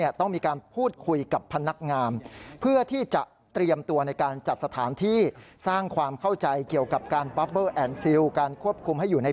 ได้พูดคุยกับพนักงานทำความเข้าใจกันซะ